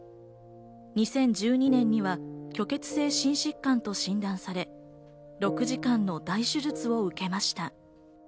２０１２年には虚血性心疾患と診断され、６時間の大手術を受けました。